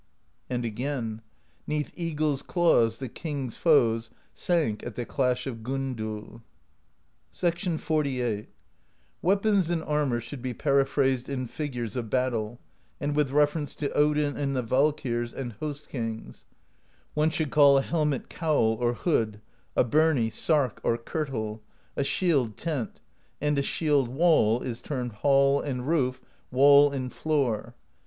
And again: 'Neath eagles' claws the king's foes Sank at the Clash of Gondul. XLVIII. "Weapons and armor should be periphrased in fig ures of battle, and with reference to Odin and the Valkyrs and host kings: one should call a helmet Cowl, or Hood; a birnie, Sark, or Kirtle; a shield. Tent; and a shield wall is termed Hall and Roof, Wall and Floor.